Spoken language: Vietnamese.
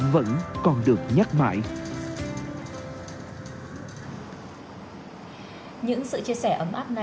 vẫn còn được nhắc nhở